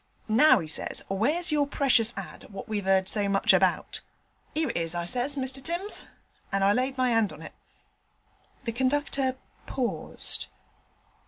"Now," he says, "where's your precious ad. what we've 'eard so much about?" "'Ere it is," I says, "Mr Timms," and I laid my 'and on it.' The conductor paused.